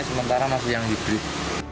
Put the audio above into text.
sementara masih yang hybrid